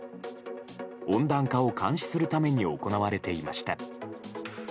温暖化を監視するために行われていました。